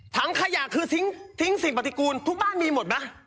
ถังขยะคือทิ้งสิ่งปฏิกูลทุกบ้านมีหมดไหม